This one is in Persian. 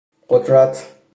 قدرت